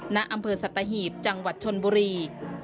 นสัตถาหีบจังหวัดชนบุรี